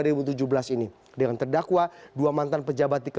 editing tim dan syukaling adanya instincts take k square si ga penging outcome